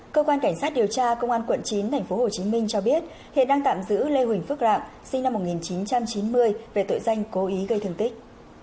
cơ quan cảnh sát điều tra công an quận chín tp hcm cho biết hiện đang tạm giữ lê huỳnh phước rạng sinh năm một nghìn chín trăm chín mươi về tội danh cố ý gây thương tích